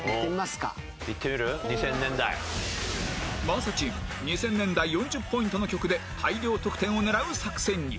真麻チーム２０００年代４０ポイントの曲で大量得点を狙う作戦に。